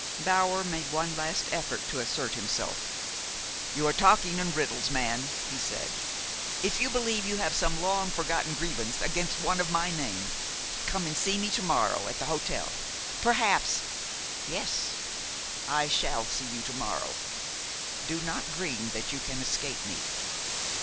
Bower made one last effort to assert himself. "You are talking in riddles, man," he said. "If you believe you have some long forgotten grievance against one of my name, come and see me to morrow at the hotel. Perhaps " "Yes, I shall see you to morrow. Do not dream that you can escape me.